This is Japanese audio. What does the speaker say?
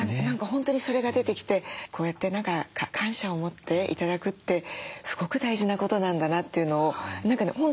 何か本当にそれが出てきてこうやって何か感謝を持って頂くってすごく大事なことなんだなというのを何かね